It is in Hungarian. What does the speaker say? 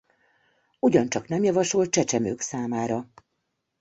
Ugyancsak nem javasolt csecsemők számára.